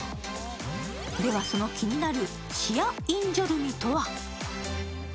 ではその気になるシアッインジョルミとは。